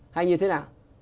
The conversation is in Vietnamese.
hay như thế nào